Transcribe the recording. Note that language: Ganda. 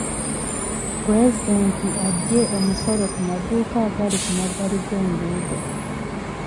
Pulezidenti aggye omusolo ku maduuka agali ku mabbali g'enguudo.